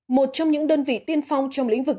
một trong những đơn vị tiên phong trong lĩnh vực